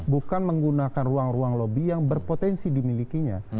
bukan menggunakan ruang ruang lobby yang berpotensi dimilikinya